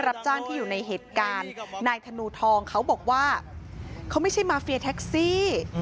รับจ้างที่อยู่ในเหตุการณ์นายธนูทองเขาบอกว่าเขาไม่ใช่มาเฟียแท็กซี่